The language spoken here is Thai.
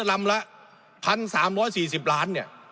ลำละ๑๓๔๐ล้านเนี่ย